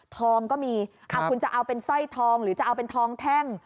ก็มีคุณจะเอาเป็นสร้อยทองหรือจะเอาเป็นทองแท่ง